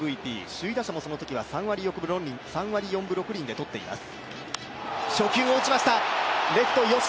首位打者もそのときは３割４分６厘で取っています。